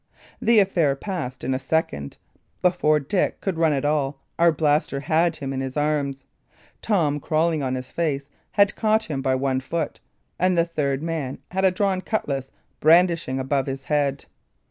The affair passed in a second. Before Dick could run at all, Arblaster had him in his arms; Tom, crawling on his face, had caught him by one foot, and the third man had a drawn cutlass brandishing above his head.